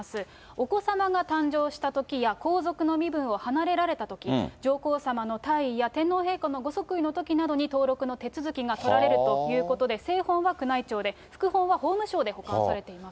お子さまが誕生したときや、皇族の身分を離れられたとき、上皇さまの退位や、天皇陛下のご即位のときなど、登録の手続きが取られるということで、正本は宮内庁で、副本は法務省で保管されています。